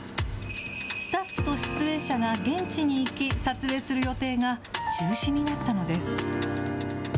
スタッフと出演者が現地に行き、撮影する予定が、中止になったのです。